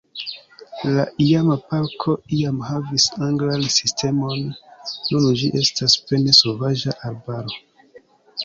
La iama parko iam havis anglan sistemon, nun ĝi estas pene sovaĝa arbaro.